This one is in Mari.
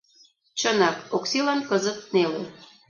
Чынак, Оксилан кызыт неле.